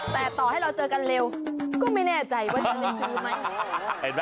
แต่ต่อให้เราเจอกันเร็วก็ไม่แน่ใจว่าจะได้ซื้อไหม